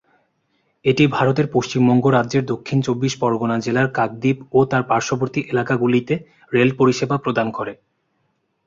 এটি ভারতের পশ্চিমবঙ্গ রাজ্যের দক্ষিণ চব্বিশ পরগনা জেলার কাকদ্বীপ ও তার পার্শ্ববর্তী এলাকাগুলিতে রেল পরিষেবা প্রদান করে।